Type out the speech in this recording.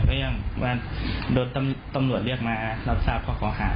ก็ยังโดยตำรวจเรียกมารับทราบพ่อของหา